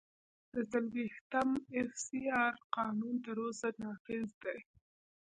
د څلوېښتم اېف سي آر قانون تر اوسه نافذ دی.